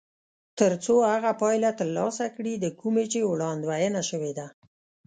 تر څو هغه پایله ترلاسه کړي د کومې چې وړاندوينه شوې وي.